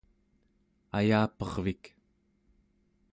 ayapervik